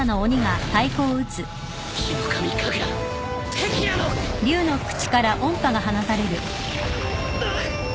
ヒノカミ神楽碧羅のうっ！